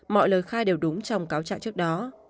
mọi lời khai đều đúng trong cáo trạng trước đó